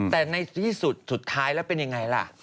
แต่ในที่สุดสุดท้ายแล้วเป็นยังไงล่ะ